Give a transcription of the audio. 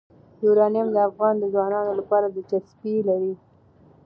یورانیم د افغان ځوانانو لپاره دلچسپي لري.